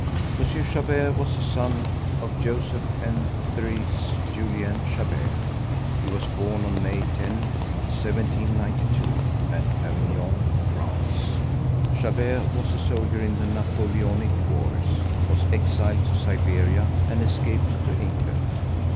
M. Chabert was a son of Joseph and Therese Julienne Chabert. He was born on May 10th, 1792, at Avignon, France. Chabert was a soldier in the Napoleonic wars, was exiled to Siberia and escaped to England.